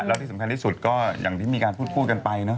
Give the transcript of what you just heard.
แล้วที่สำคัญที่สุดก็อย่างที่มีการพูดกันไปเนอ